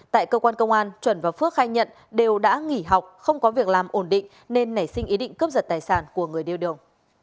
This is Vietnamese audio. tại cơ quan công an chuẩn và phước khai nhận đều đã nghỉ học không có việc làm ổn định nên nảy sinh ý định cướp giật tài sản của người đeo đường